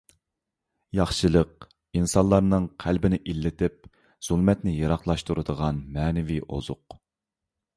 ياخشىلىق — ئىنسانلارنىڭ قەلبىنى ئىللىتىپ، زۇلمەتنى يىراقلاشتۇرىدىغان مەنىۋى ئوزۇق.